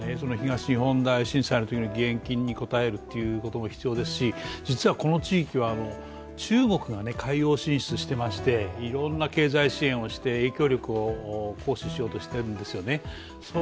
東日本大震災のときの義援金に応えることも必要ですし実はこの地域は中国が海洋進出していましていろいろな経済支援策をして影響力を行使しようとしているんですよね。